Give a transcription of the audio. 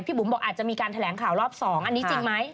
บุ๋มบอกอาจจะมีการแถลงข่าวรอบ๒อันนี้จริงไหม